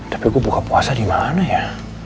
tapi gue buka puasa di mana ya